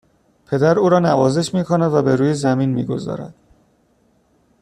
پدر او را نوازش میکند و به روی زمین میگذارد